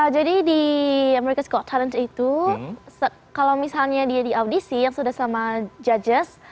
jadi di america's got talent itu kalau misalnya dia di audisi yang sudah sama judges